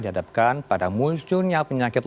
dihadapkan pada munculnya penyakit